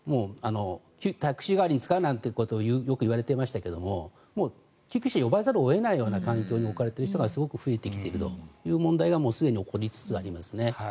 タクシー代わりに使うなんてことをよく言われていましたが救急車呼ばざるを得ないような状況に置かれている人がすごく増えてきているという問題がすでに起こりつつあります。